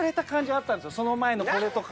その前のこれとか。